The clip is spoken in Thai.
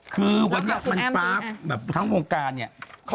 คือวันนี้มันฟ้าแบบทั้งวงการเนี่ย